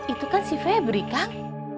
itu kan si febri kang